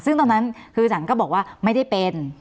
ซึ่งตอนนั้นคือสารก็บอกว่าไม่ได้เป็น